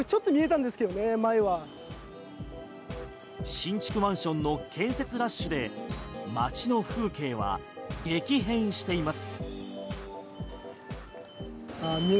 新築マンションの建設ラッシュで街の風景は激変しています。